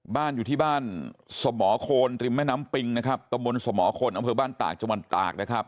บ้านอยู่ที่บ้านสมโคนอำเภบบ้านตากจมนตากนะครับ